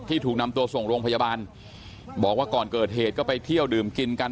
ถูกนำตัวส่งโรงพยาบาลบอกว่าก่อนเกิดเหตุก็ไปเที่ยวดื่มกินกัน